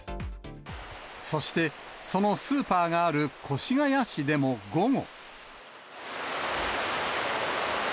そしてそのスーパーがある越谷市でも午後。